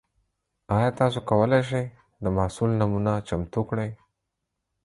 ایا تاسو کولی شئ د محصول نمونه چمتو کړئ؟